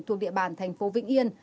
thuộc địa bàn thành phố vĩnh yên